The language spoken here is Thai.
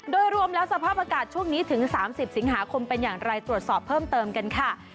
โดยรวมแล้วสภาพอากาศช่วงนี้ถึง๓๐สิงหาคมเป็นอย่างไรตรวจสอบเพิ่มเติมกันค่ะ